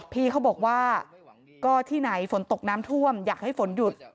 พี่เขาบอกว่าก็ที่ไหนฝนตกน้ำท่วมอยากให้ฝนหยุด